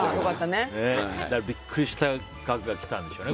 ビックリした額だったんでしょうね。